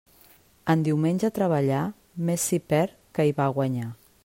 En diumenge treballar, més s'hi perd que hi va a guanyar.